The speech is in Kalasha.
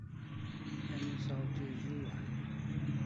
Emi saw thi zu a